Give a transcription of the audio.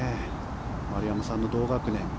丸山さんの同学年。